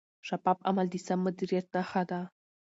شفاف عمل د سم مدیریت نښه ده.